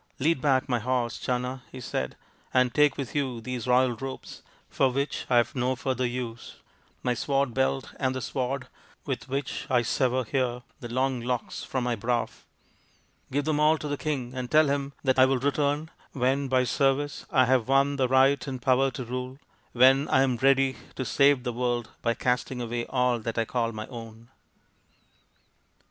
" Lead back my horse, Channa," he said, " and take with you these royal robes, for which I have no further use, my sword belt and the sword with which I sever here the long locks from my brow. Give them all to the king, and tell him that I will return when by service I have won the right and power to rule, when I am ready to save the world by casting away all that I call my own."